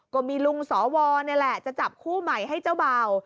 ก็มีลุงสวนี่แหละจะจับคู่ใหม่ให้เจ้าบ่าว